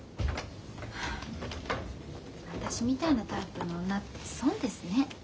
私みたいなタイプの女って損ですね。